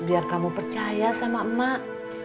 biar kamu percaya sama emak